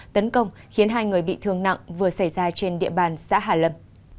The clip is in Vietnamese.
tấn công khiến hai người bị thương nặng vừa xảy ra trên địa bàn xã hà lâm